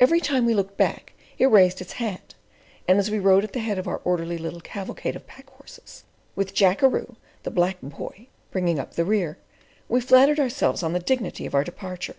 Every time we looked back it raised its hat, and as we rode at the head of our orderly little cavalcade of pack horses, with Jackeroo the black "boy" bringing up the rear, we flattered ourselves on the dignity of our departure.